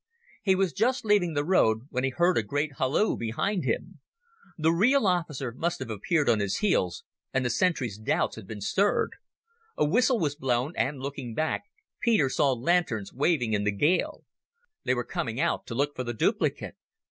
He was just leaving the road when he heard a great halloo behind him. The real officer must have appeared on his heels, and the sentry's doubts had been stirred. A whistle was blown, and, looking back, Peter saw lanterns waving in the gale. They were coming out to look for the duplicate.